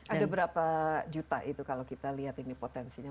ada berapa juta itu kalau kita lihat ini potensinya